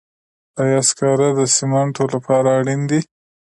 آیا سکاره د سمنټو لپاره اړین دي؟